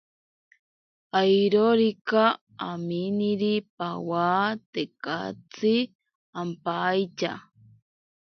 Airorika aminiri pawa tekatsi ampaitya.